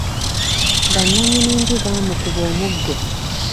Bannannyini nju baamukuba omuggo.